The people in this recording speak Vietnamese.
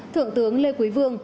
thượng tướng lê quý vương